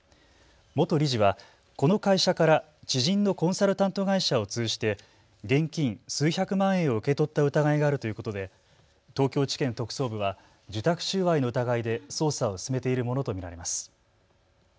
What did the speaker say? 元理事はこの会社から知人のコンサルタント会社を通じて現金数百万円を受け取った疑いがあるということで東京地検特捜部は受託収賄の疑いで捜査を進めているものと見られます。